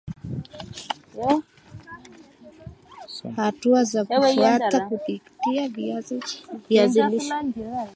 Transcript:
Hatua za kufuata kupikia viazi lishe